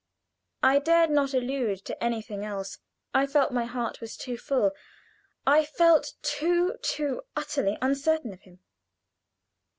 I dared not allude to anything else. I felt my heart was too full I felt too, too utterly uncertain of him.